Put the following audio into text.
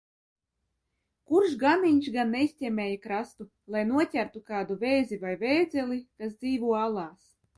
"Kurš ganiņš gan "neizķemmēja" krastu, lai noķertu kādu vēzi vai vēdzeli, kas dzīvo alās."